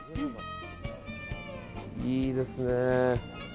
いいですね。